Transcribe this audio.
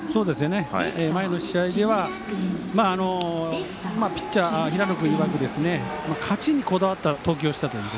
前の試合ではピッチャーの平野君は勝ちにこだわった投球をしたと。